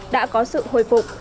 đã có sự hồi phục